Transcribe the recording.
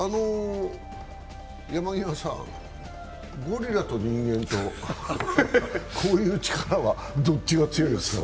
山極さん、ゴリラと人間とこういう力はどっちが強いんですかね？